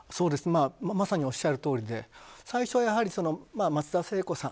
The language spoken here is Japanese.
まさにおっしゃるとおりで最初は松田聖子さん